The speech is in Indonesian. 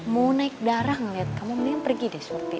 mau naik darah ngeliat kamu mendingan pergi deh surti